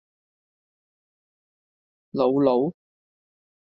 瑙魯